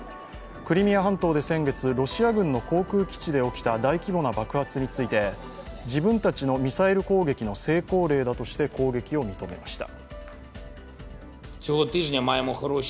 クリミア半島で先月、ロシア軍の航空基地で起きた大規模な爆発について自分たちのミサイル攻撃の成功例だとして攻撃を認めました。